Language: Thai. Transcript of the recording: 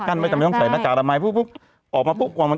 กั้นไม่จะไม่ต้องใส่หน้าการไม้ปุ๊บปุ๊บออกมาปุ๊บวัน